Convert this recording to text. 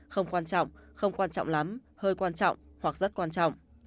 không quan trọng không quan trọng lắm hơi quan trọng hoặc rất quan trọng